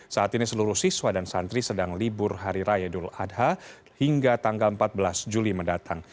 saat ini seluruh siswa dan santri sedang libur hari raya idul adha hingga tanggal empat belas juli mendatang